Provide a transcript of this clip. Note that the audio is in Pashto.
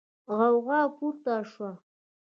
غوغا پورته شوه.